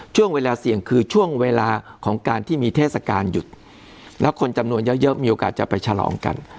ช่วงเวลาเสี่ยงคือช่วงเวลาของการที่มีเทศกาลหยุดแล้วคนจำนวนเยอะเยอะมีโอกาสจะไปฉลองกัน